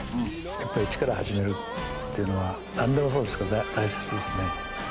やっぱりイチから始めるっていうのは何でもそうですけどね大切ですね。